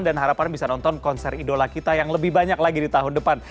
dan harapan bisa nonton konser idola kita yang lebih banyak lagi di tahun depan